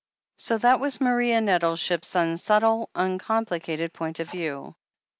So that was Maria Nettleship's imsubtle, uncompli cated point of view.